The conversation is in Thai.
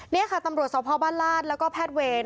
นี่ค่ะตำรวจสพบ้านลาดแล้วก็แพทย์เวร